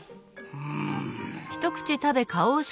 うん。